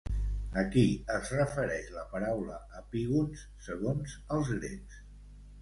A qui es refereix la paraula epígons segons els grecs?